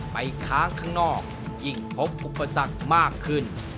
ค้างข้างนอกยิ่งพบอุปสรรคมากขึ้น